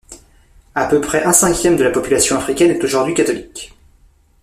À peu près un cinquième de la population africaine est aujourd'hui catholique.